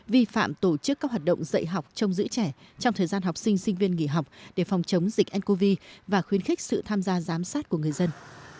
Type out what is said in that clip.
vi phạm tổ chức các hoạt động dạy học trong giữ trẻ trong thời gian học sinh sinh viên nghỉ học để phòng chống dịch ncov và khuyến khích sự tham gia giám sát của người dân